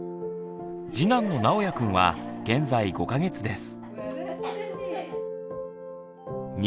次男のなおやくんは現在５か月です。